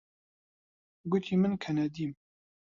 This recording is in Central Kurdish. گوتی من کەنەدیم.